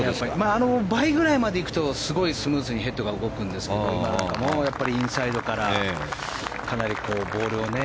あの倍ぐらいまでいくとすごくスムーズにヘッドが動くんですけど今のなんか、インサイドからかなりボールを。